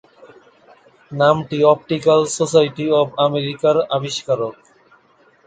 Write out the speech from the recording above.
নামটি Optical Society of আমেরিকার আবিষ্কার।